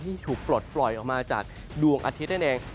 ที่ถูกปลดปล่อยออกมาจากดวงอาทิตย์นั่นเอง